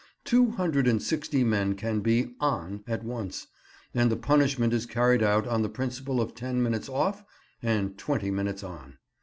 Two hundred and sixty men can be "on" at once, and the punishment is carried out on the principle of ten minutes "off" and twenty minutes "on."